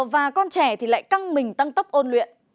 và con trẻ thì lại căng mình tăng tốc ôn luyện